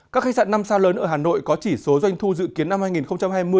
các khách sạn năm sao lớn ở hà nội có chỉ số doanh thu dự kiến năm hai nghìn hai mươi